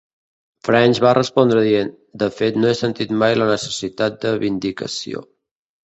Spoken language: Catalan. French va respondre dient "De fet, no he sentit mai la necessitat de vindicació".